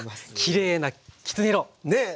きれいなきつね色！ねえ！